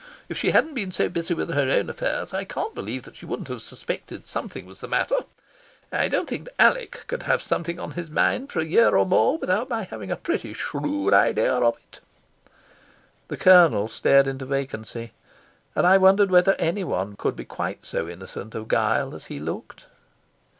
If she hadn't been so busy with her own affairs, I can't believe that she wouldn't have suspected something was the matter. I don't think that Alec could have something on his mind for a year or more without my having a pretty shrewd idea of it." The Colonel stared into vacancy, and I wondered whether anyone could be quite so innocent of guile as he looked.